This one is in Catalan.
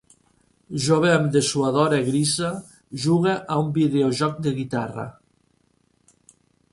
Jove amb dessuadora grisa juga a un videojoc de guitarra.